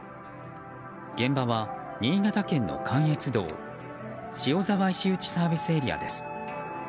現場は新潟県の関越道塩沢石打ＳＡです。